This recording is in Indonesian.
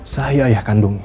saya ayah kandungnya